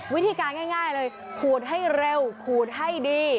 วิธีการง่ายเลยขูดให้เร็วขูดให้ดี